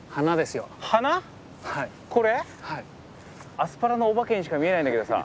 アスパラのお化けにしか見えないんだけどさ